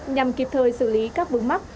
nhằm kịp thời xử lý các vấn mắc